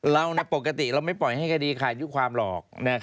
เราปกติเราไม่ปล่อยให้คดีขาดยุความหรอก